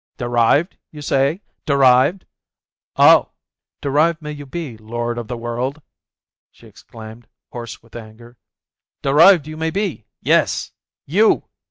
"Derived, you say, derived? 0, derived may you be, Lord of the World," she exclaimed, hoarse with anger, "derived may you be ! Yes ! You